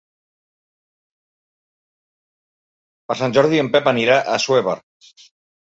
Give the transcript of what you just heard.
Per Sant Jordi en Pep anirà a Assuévar.